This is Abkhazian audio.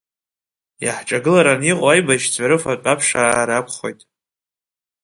Иаҳҿагылараны иҟоу аибашьцәа рыфатә аԥшаара акәхоит.